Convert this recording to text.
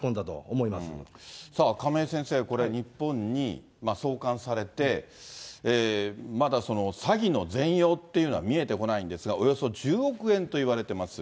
亀井先生、これ、日本に送還されて、まだ詐欺の全容ってのは見えてこないんですが、およそ１０億円といわれてます。